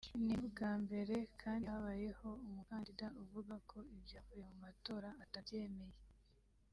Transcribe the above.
ni n’ubwa mbere kandi habayeho umukandida uvuga ko ibyavuye mu matora atabyemeye